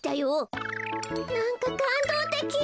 なんかかんどうてき！